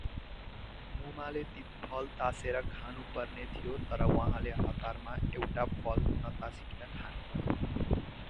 मुमाले ती फल ताछेर खानुपर्ने थियो तर उहाँले हतारमा एउटा फल नताछीकन खानुभयो